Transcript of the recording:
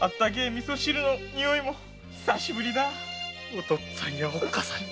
お父っつぁんやおっ母さんに。